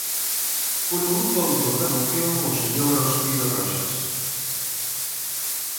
Polo grupo autor da moción, o señor Ospido Roxas.